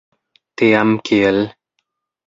Tiam kiel?